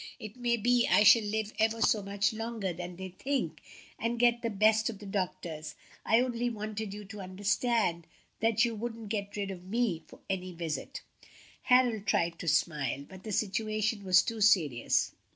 It may be I shall live ever so much longer than they think, and get the best of the doctors. I only wanted you to understand that you wouldn't get rid of me for any visit." Harold tried to smile, but the situation was too serious.